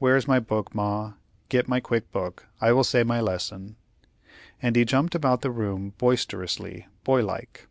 "Where's my book, Ma? Get my book quick. I will say my lesson," and he jumped about the room, boisterously, boy like.